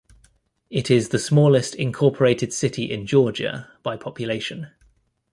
It is the smallest incorporated city in Georgia by population.